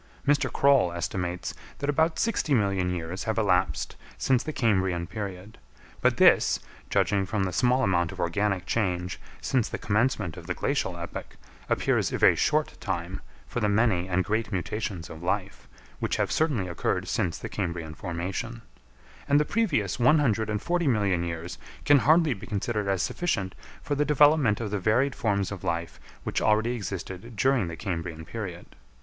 Mr. Croll estimates that about sixty million years have elapsed since the Cambrian period, but this, judging from the small amount of organic change since the commencement of the Glacial epoch, appears a very short time for the many and great mutations of life, which have certainly occurred since the Cambrian formation; and the previous one hundred and forty million years can hardly be considered as sufficient for the development of the varied forms of life which already existed during the Cambrian period.